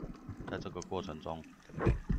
在這個過程中